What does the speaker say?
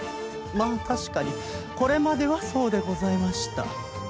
まあ確かにこれまではそうでございました。